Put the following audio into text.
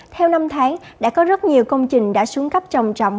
theo năm tháng đã có rất nhiều công trình đã xuống cấp trồng trọng